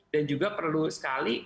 dan juga perlu sekali